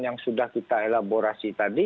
yang sudah kita elaborasi tadi